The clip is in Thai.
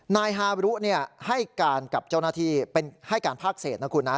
นายฮารุให้การกับเจ้าหน้าที่เป็นให้การภาคเศษนะคุณนะ